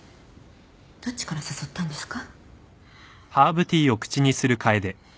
どっちから誘ったんですか？